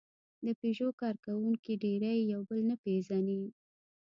د پيژو کارکوونکي ډېری یې یو بل نه پېژني.